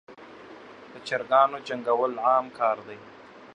دچراګانو جنګول عام کار دی.